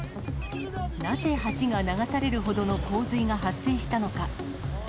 なぜ橋が流されるほどの洪水が発生したのか。